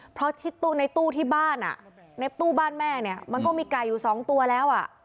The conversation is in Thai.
เพราะในตู้ที่บ้านในตู้บ้านแม่เนี่ยมันก็มีไก่อยู่๒ตัวแล้ว